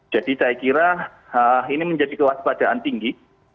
jadi saya kira ini menjadi kewajipadaan tinggi